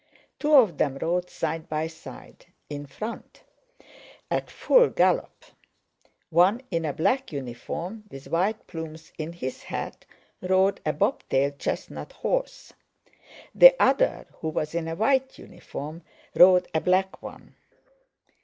Two of them rode side by side in front, at full gallop. One in a black uniform with white plumes in his hat rode a bobtailed chestnut horse, the other who was in a white uniform rode a black one.